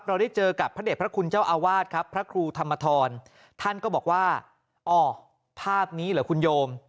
เราได้เจอกับพระเด็จพระคุณเจ้าอาวาสครับพระครูธรรมทรท่านก็บอกว่าอ๋อภาพนี้เหรอคุณโยม